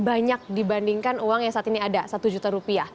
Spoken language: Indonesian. banyak dibandingkan uang yang saat ini ada satu juta rupiah